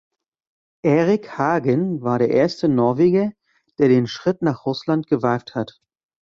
Erik Hagen war der erste Norweger, der den Schritt nach Russland gewagt hat.